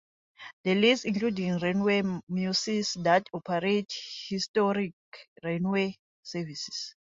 The list includes railway museums that operate historic railway services.